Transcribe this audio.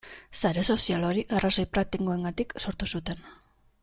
Sare sozial hori arrazoi praktikoengatik sortu zuten.